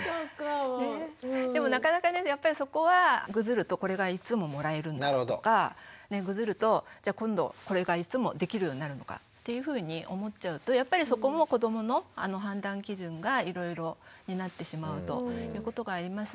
でもなかなかねやっぱりそこは「ぐずるとこれがいつももらえるんだ」とか「ぐずると今度これがいつもできるようになるのか」っていうふうに思っちゃうとやっぱりそこも子どもの判断基準がいろいろになってしまうということがありますのでモノでは釣らない。